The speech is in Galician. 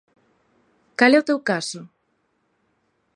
Cal é o teu caso?